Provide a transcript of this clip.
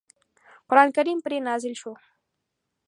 قرآن کریم پرې نازل شو.